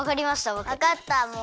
わかったもう。